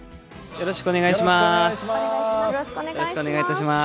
よろしくお願いします。